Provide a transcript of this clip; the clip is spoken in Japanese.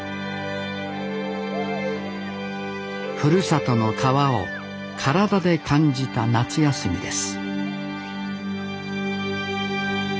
ふるさとの川を体で感じた夏休みです